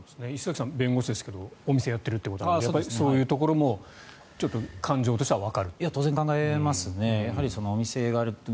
石崎さん弁護士ですけどお店をやっているということなのでそういうところも感情としてはわかる？